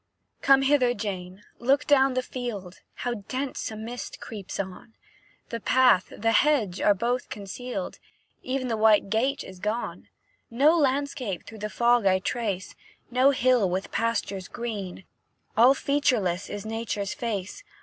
"Come hither, Jane, look down the field; How dense a mist creeps on! The path, the hedge, are both concealed, Ev'n the white gate is gone No landscape through the fog I trace, No hill with pastures green; All featureless is Nature's face.